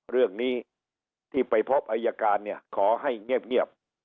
เรื่องนี้ที่ไปพบอายการเนี่ยขอให้เงียบ